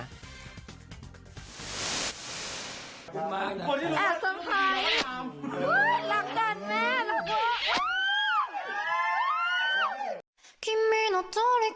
รักจังแม่รักเบาะ